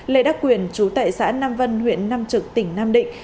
lê đắc quyền chú tại xã nam vân huyện nam trực tỉnh nam định